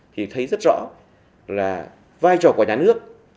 thì thấy rất rõ là vai trò của nhà nước